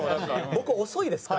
僕遅いですか？